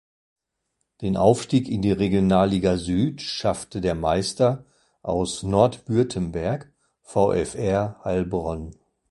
Den Aufstieg in die Regionalliga Süd schaffte der Meister aus Nordwürttemberg: VfR Heilbronn.